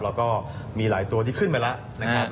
แล้วก็มีหลายตัวที่ขึ้นไปแล้วนะครับ